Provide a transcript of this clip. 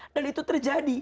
dan itu terjadi